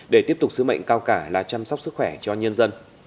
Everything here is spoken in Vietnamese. để tiếp tục sứ mệnh cao cả là chăm sóc sức khỏe cho nhân dân